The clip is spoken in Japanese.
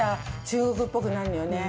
中国っぽくなるのよね。